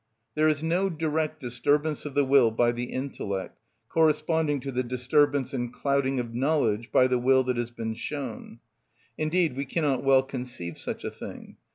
There is no direct disturbance of the will by the intellect corresponding to the disturbance and clouding of knowledge by the will that has been shown. Indeed we cannot well conceive such a thing.